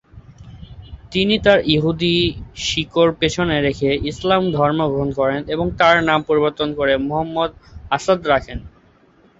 তিনি তার ইহুদি শিকড় পিছনে রেখে ইসলাম ধর্ম গ্রহণ করেন এবং তার নাম পরিবর্তন করে মুহাম্মদ আসাদ রাখেন।